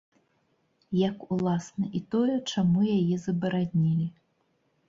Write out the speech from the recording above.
Як, уласна, і тое, чаму яе забаранілі.